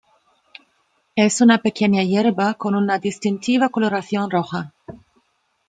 Es una pequeña hierba con una distintiva coloración roja.